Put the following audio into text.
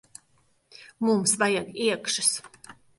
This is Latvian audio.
Mums vajag iekšas.